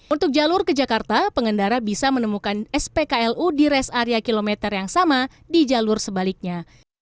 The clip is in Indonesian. untuk jalur ke jakarta pengendara bisa menemukan spklu di rest area kilometer yang sama di jalur sebaliknya